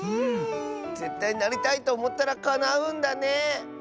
ぜったいなりたいとおもったらかなうんだね！